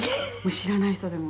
知らない人でも。